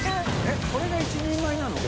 えっこれが１人前なの？